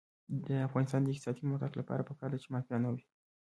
د افغانستان د اقتصادي پرمختګ لپاره پکار ده چې مافیا نه وي.